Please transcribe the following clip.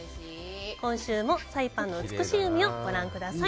今週もサイパンの美しい海をご覧ください。